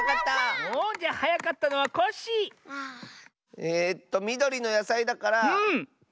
えっとみどりのやさいだからゴーヤ！